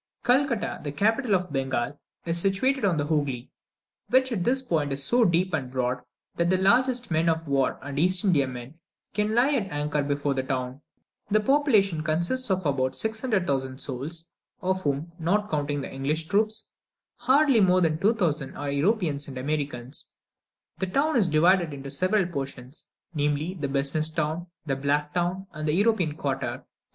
Calcutta, the capital of Bengal, is situated on the Hoogly, which at this point is so deep and broad, that the largest men of war and East Indiamen can lie at anchor before the town. The population consists of about 600,000 souls, of whom, not counting the English troops, hardly more than 2,000 are Europeans and Americans. The town is divided into several portions namely, the Business town, the Black town, and the European quarter.